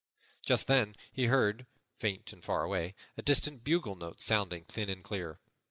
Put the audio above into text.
Just then he heard, faint and far away, a distant bugle note sounding thin and clear.